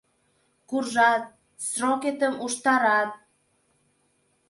Куржат, срокетым уштарат.